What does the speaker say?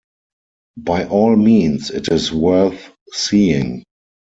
By all means it is worth seeing.